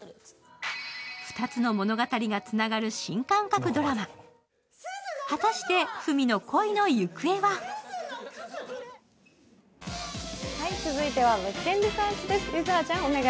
２つの物語がつながる新感覚ドラマ果たして、芙美の恋の行方は続いては「物件リサーチ」です。